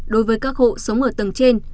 đối với các khu sống ở tầng trên